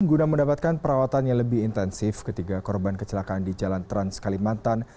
guna mendapatkan perawatan yang lebih intensif ketiga korban kecelakaan di jalan trans kalimantan